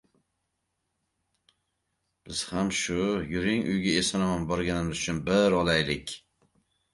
— Biz ham shu! Yuring, uyga eson-omon borganimiz uchun bir olaylik!